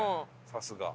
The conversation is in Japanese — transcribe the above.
さすが。